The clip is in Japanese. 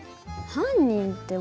犯人って。